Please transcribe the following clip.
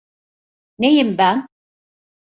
Neyim ben?